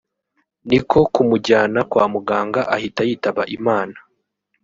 niko kumujyana kwa muganga ahita yitaba Imana”